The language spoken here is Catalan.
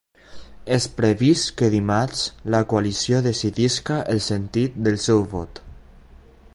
És previst que dimarts la coalició decideixi el sentit del seu vot.